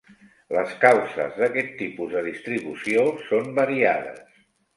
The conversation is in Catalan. Les causes d'aquest tipus de distribució són variades.